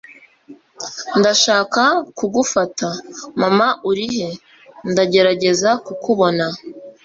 ndashaka kugufata. mama, urihe, ndagerageza kukubona